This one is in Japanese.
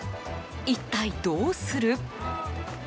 一体どうする？